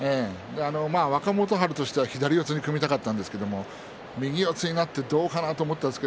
若元春としては左四つに組みたかったんですが右四つになってどうかなと思ったんですが。